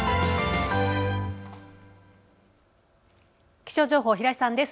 気象情報、平井さんです。